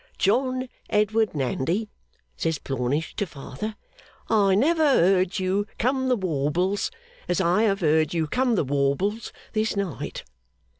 "John Edward Nandy," says Plornish to father, "I never heard you come the warbles as I have heard you come the warbles this night."